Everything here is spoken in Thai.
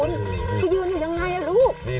จะยืนอยู่ยังไงลูก